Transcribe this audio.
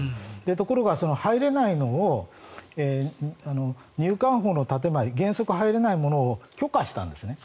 ところが、入れないのを入管法の建前原則入れないものを許可したんですね。